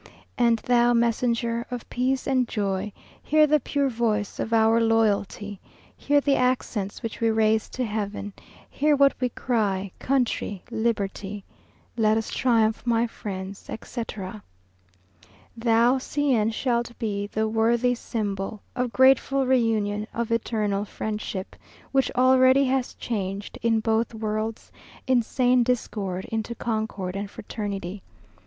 And thou, messenger Of peace and joy, Hear the pure voice Of our loyalty; Hear the accents Which we raise to Heaven; Hear what we cry, Country! Liberty! Let us triumph, my friends, etc. Thou, C n, shalt be The worthy symbol Of grateful reunion, Of eternal friendship, Which already has changed, In both worlds, Insane discord Into concord and fraternity.